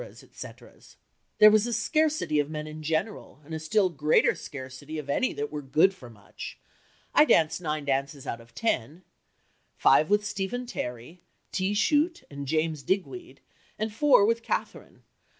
etcs. There was a scarcity of men in general, and a still greater scarcity of any that were good for much. I danced nine dances out of ten five with Stephen Terry, T. Chute, and James Digweed, and four with Catherine.